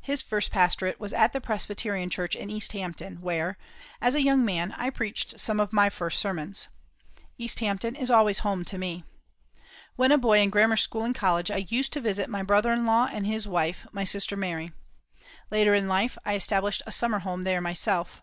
His first pastorate was at the Presbyterian Church in East Hampton, where, as a young man, I preached some of my first sermons. East Hampton is always home to me. When a boy in grammar school and college I used to visit my brother in law and his wife, my sister Mary. Later in life I established a summer home there myself.